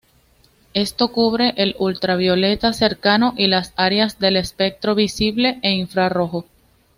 Esto cubre el ultravioleta cercano, y las áreas del espectro visible e infrarrojo.